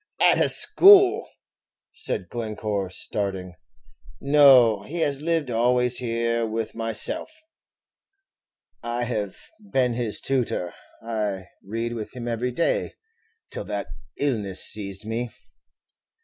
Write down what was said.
"At a school!" said Glencore, starting; "no, he has lived always here with myself. I have been his tutor; I read with him every day, till that illness seized me."